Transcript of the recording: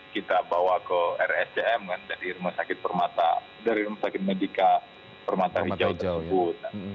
kita bawa ke rsdm kan dari rumah sakit medica permata hijau tersebut